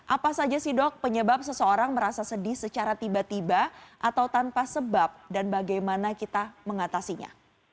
apa saja sih dok penyebab seseorang merasa sedih secara tiba tiba atau tanpa sebab dan bagaimana kita mengatasinya